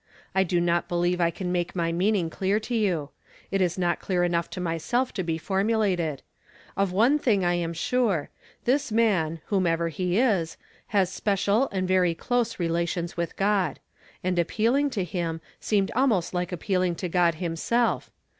I do not believe I can make my meaning clear to you ; it is not clear enough to myself to be formulated. Of one thing I am su' e; this man, whoever he is, has special f 'I 160 YESTERDAY FRAMED IN TO DAY. t and very close relations with God; and appeal ing to liim, seemed almost like appealing to God himself.